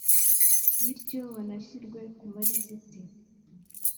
bityo banashyirwe ku malisiti